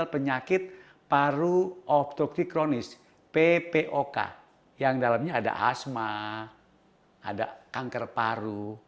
penyakit paru obstrukticronis ppok yang dalamnya ada asma ada kanker paru